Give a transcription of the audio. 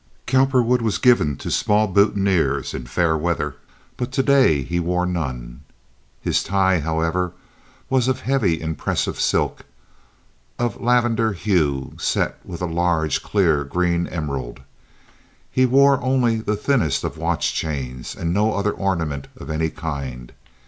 Cowperwood was given to small boutonnieres in fair weather, but to day he wore none. His tie, however, was of heavy, impressive silk, of lavender hue, set with a large, clear, green emerald. He wore only the thinnest of watch chains, and no other ornament of any kind.